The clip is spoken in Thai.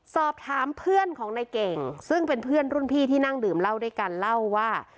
สอบถามเพื่อนของนายเก่งซึ่งเป็นเพื่อนรุ่นพี่ที่นั่งดื่มเหล้าด้วยกันเล่าว่า